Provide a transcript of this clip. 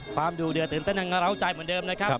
ความดูเดือดตื่นเต้นทางร้าวใจเหมือนเดิมนะครับ